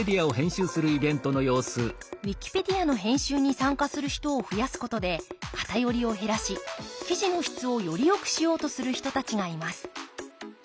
ウィキペディアの編集に参加する人を増やすことで偏りを減らし記事の質をよりよくしようとする人たちがいます。